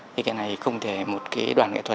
thì cái này không thể một cái đoàn nghệ thuật